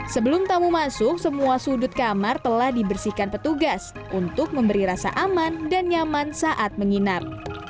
sebelum tamu masuk semua sudut kamar telah dibersihkan petugas untuk memberi rasa aman dan nyaman saat menginap